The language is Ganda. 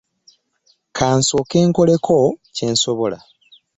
Ka nsooke nkoleko kye nsobola.